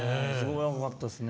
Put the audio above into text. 若かったですね。